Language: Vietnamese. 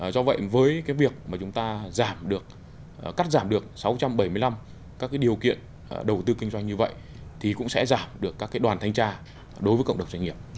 do vậy với cái việc mà chúng ta giảm được cắt giảm được sáu trăm bảy mươi năm các điều kiện đầu tư kinh doanh như vậy thì cũng sẽ giảm được các đoàn thanh tra đối với cộng đồng doanh nghiệp